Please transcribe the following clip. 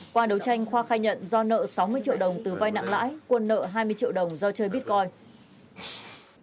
qua đấu tranh khoa khai nhận do nợ sáu mươi triệu đồng từ vai nặng lãi quân nợ hai mươi triệu đồng do chơi bitcoin